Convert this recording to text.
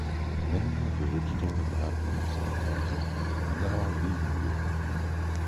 Many of the original inhabitants of Ponza are now leaving the island.